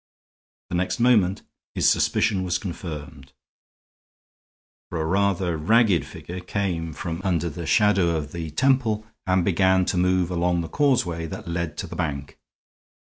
The next moment his suspicion was confirmed, for a rather ragged figure came from under the shadow of the temple and began to move along the causeway that led to the bank.